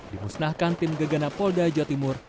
dimusnahkan tim gegana polda jawa timur